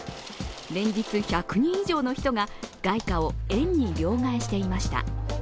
連日１００人以上の人が外貨を円に両替していました。